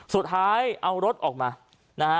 สุดท้ายเอารถออกมา